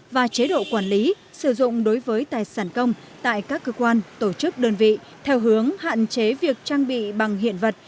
và chế độ quản lý sử dụng đối với tài sản công tại các cơ quan tổ chức đơn vị theo hướng hạn chế việc trang bị bằng hiện vật